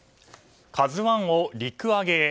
「ＫＡＺＵ１」を陸揚げへ。